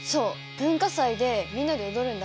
文化祭でみんなで踊るんだ。